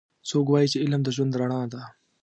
څوک وایي چې علم د ژوند رڼا ده